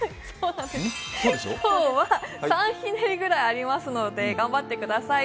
今日は３ひねりぐらいありますので頑張ってください。